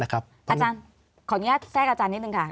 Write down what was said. อาจารย์ขออนุญาตแทรกอาจารย์นิดนึงค่ะ